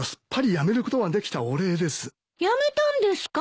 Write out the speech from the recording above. やめたんですか？